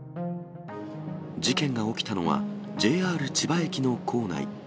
事件が起きたのはＪＲ千葉駅の構内。